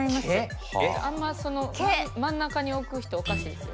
あんまその真ん中に置く人おかしいですよ。